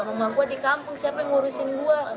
mama gue di kampung siapa yang ngurusin gue